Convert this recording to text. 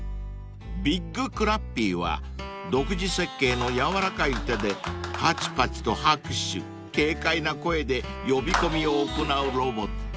［ビッグクラッピーは独自設計の柔らかい手でパチパチと拍手軽快な声で呼び込みを行うロボット］